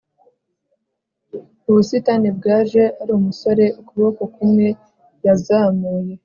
ubusitani bwaje ari umusore; ukuboko kumwe yazamuye